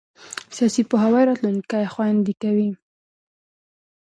سیاسي پوهاوی راتلونکی خوندي کوي